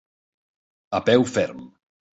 A peu ferm.